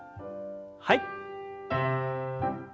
はい。